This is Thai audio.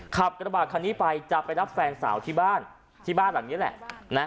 ขับกระบาดคันนี้ไปจับไปรับแฟนสาวที่บ้านที่บ้านแหละ